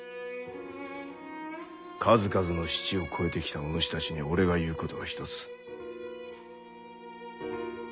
数々の死地を越えてきたお主たちに俺が言うことは一つ。